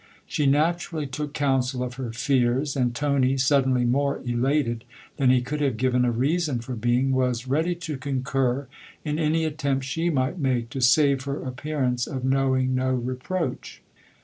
She naturally took counsel of her fears, and Tony, suddenly more elated than he could have given a reason for being, was THE OTHER HOUSE 201 ready to concur in any attempt she might make to save her appearance of knowing no reproach.